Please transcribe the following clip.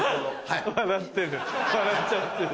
笑っちゃってる。